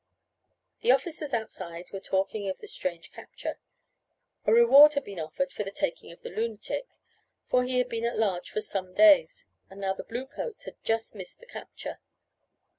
The officers outside were talking of the strange capture. A reward had been offered for the taking of the lunatic, for he had been at large for some days, and now the bluecoats had just missed the capture.